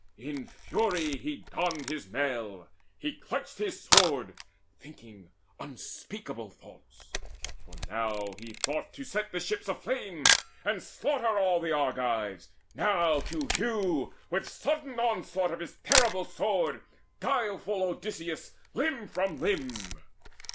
In fury he donned his mail, He clutched his sword, thinking unspeakable thoughts; For now he thought to set the ships aflame, And slaughter all the Argives, now, to hew With sudden onslaught of his terrible sword Guileful Odysseus limb from limb.